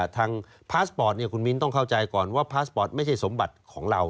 พาสปอร์ตคุณมิ้นต้องเข้าใจก่อนว่าพาสปอร์ตไม่ใช่สมบัติของเรา